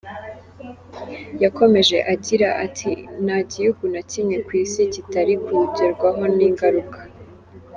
Yakomeje agira ati “Nta gihugu na kimwe ku Isi kitari kugerwaho n’ingaruka.